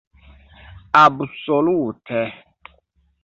"Absolute."